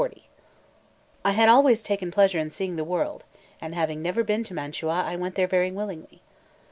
XL I HAD always taken pleasure in seeing the world; and having never been in Mantua, I went there very willingly.